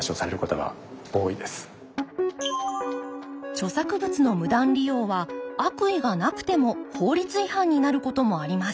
著作物の無断利用は悪意がなくても法律違反になることもあります。